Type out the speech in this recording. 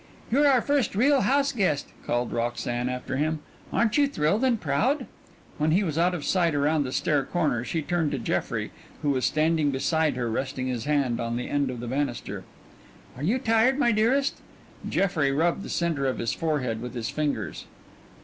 "You're our first real house guest," called Roxanne after him. "Aren't you thrilled and proud?" When he was out of sight around the stair corner she turned to Jeffrey, who was standing beside her resting his hand on the end of the banister. "Are you tired, my dearest?" Jeffrey rubbed the centre of his forehead with his fingers.